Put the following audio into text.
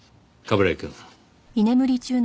冠城くん。